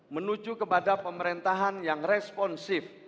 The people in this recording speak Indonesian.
menuju kepada pemerintahan yang responsif